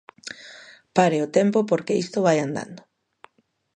Pare o tempo porque isto vai andando.